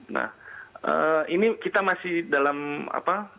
nah ini kita masih dalam apa